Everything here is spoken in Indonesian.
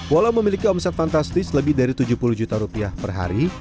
walaupun memiliki omset fantastis lebih dari tujuh puluh juta rupiah per hari